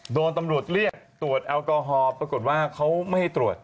โดนตำรวจเรียกตรวจแอลกอฮอล์ปรากฏว่าเขาไม่ให้ตรวจ